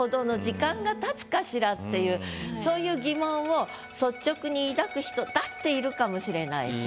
っていうそういう疑問を率直に抱く人だっているかもしれないし。